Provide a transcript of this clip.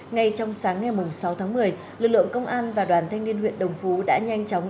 ngay trong sáng ngày sáu tháng một mươi lực lượng công an và đoàn thanh niên huyện đồng phú đã nhanh chóng